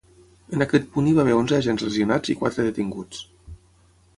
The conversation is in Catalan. En aquest punt hi va haver onze agents lesionats i quatre detinguts.